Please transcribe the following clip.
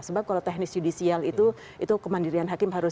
sebab kalau teknis judicial itu itu kemandirian hakim harus